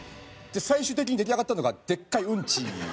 最終的に出来上がったのがでっかいうんち。